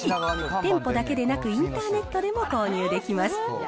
店舗だけでなくインターネットでも購入できます。